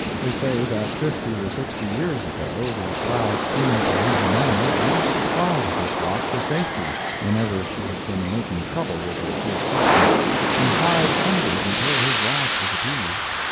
They say that fifty or sixty years ago the proud Queen Kaahumanu used to fly to this rock for safety, whenever she had been making trouble with her fierce husband, and hide under it until his wrath was appeased.